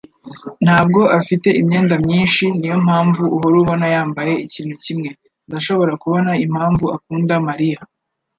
ntabwo afite imyenda myinshi. Niyo mpamvu uhora ubona yambaye ikintu kimwe. Ndashobora kubona impamvu akunda Mariya.